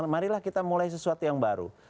marilah kita mulai sesuatu yang baru